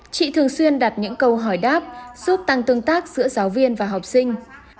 chị thường xuyên đặt những câu hỏi đáp giúp tăng tương tác giữa giáo viên và học sinh